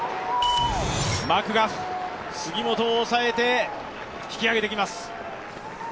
マクガフ、杉本を抑えて引き上げていきます。